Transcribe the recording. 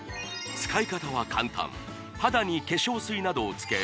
使い方は簡単肌に化粧水などをつけ